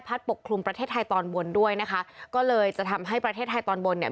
ปกคลุมประเทศไทยตอนบนด้วยนะคะก็เลยจะทำให้ประเทศไทยตอนบนเนี่ย